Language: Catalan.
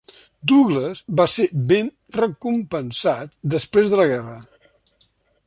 Douglas va ser ben recompensat després de la guerra.